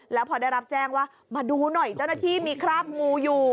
แล้วพอได้รับแจ้งว่ามาดูหน่อยเจ้าหน้าที่มีคราบงูอยู่